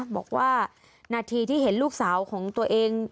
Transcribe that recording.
บอกว่านาทีที่เห็นลูกสาวของตัวเอง